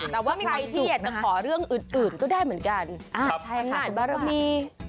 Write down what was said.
แต่ว่าใครที่อยากจะขอเรื่องอื่นก็ได้เหมือนกันใช่ค่ะบารมี